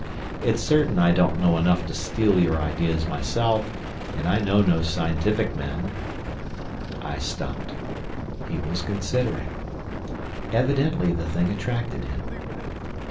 It's certain I don't know enough to steal your ideas myself—and I know no scientific men—" I stopped. He was considering. Evidently the thing attracted him.